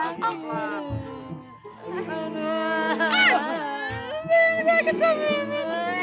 jangan sakit kamu ini